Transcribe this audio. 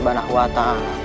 dan juga kita didapatkan